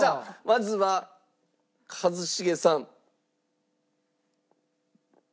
まずは一茂さん。